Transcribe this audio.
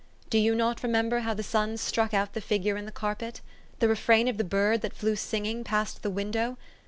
Do you not remember how the sun struck out the figure in the carpet? The refrain of the bird that flew singing past the window